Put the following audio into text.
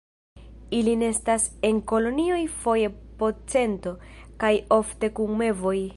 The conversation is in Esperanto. Ili nestas en kolonioj foje po cento, kaj ofte kun mevoj.